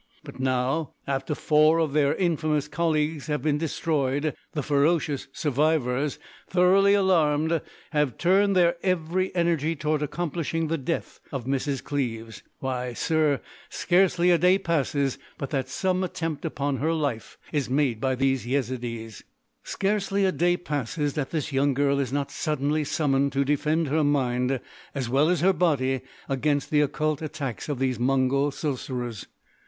"But now, after four of their infamous colleagues have been destroyed, the ferocious survivors, thoroughly alarmed, have turned their every energy toward accomplishing the death of Mrs. Cleves! Why, sir, scarcely a day passes but that some attempt upon her life is made by these Yezidees. "Scarcely a day passes that this young girl is not suddenly summoned to defend her mind as well as her body against the occult attacks of these Mongol Sorcerers.